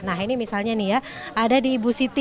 nah ini misalnya nih ya ada di ibu siti